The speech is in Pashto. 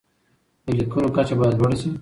د لیکنو کچه باید لوړه شي.